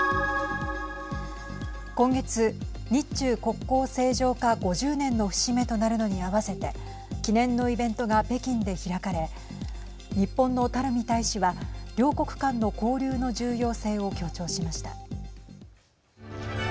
今月、日中国交正常化５０年の節目となるのに合わせて記念のイベントが北京で開かれ日本の垂大使は両国間の交流の重要性を強調しました。